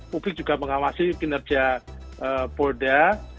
publik juga mengawasi kinerja polda